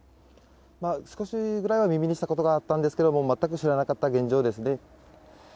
少しぐらいは耳にしたことあったんですけれども、全く知らなかった現状ですね。